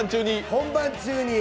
本番中に。